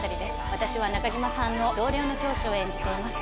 私は中島さんの同僚の教師を演じています。